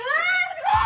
すごい！